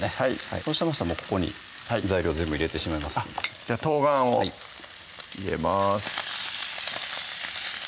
そうしましたらここに材料全部入れてしまいますのでじゃあ冬瓜を入れます